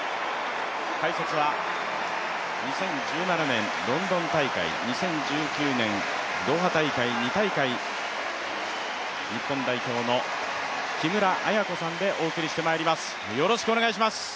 解説は２０１７年ロンドン大会、２０１９年ドーハ大会２大会、日本代表の木村文子さんでお送りしてまいります。